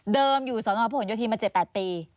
เดิมอยู่สนผลโยธินมา๗๘ปี